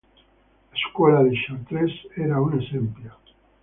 La scuola di Chartres era un esempio.